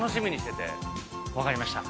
分かりました。